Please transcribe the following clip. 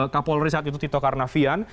kapolri saat itu tito karnavian